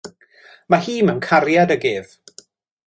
Mae hi mewn cariad ag ef.